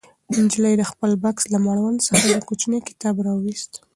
نجلۍ د خپل بکس له مړوند څخه یو کوچنی کتاب راوویست.